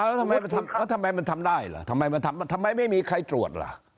เอ้อทำไมมันทำได้หรอทำไมไม่มีใครจรวดละ